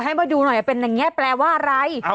ให้มาดูหน่อยเป็นอย่างนี้แปลว่าอะไร